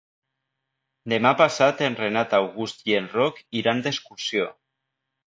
Demà passat en Renat August i en Roc iran d'excursió.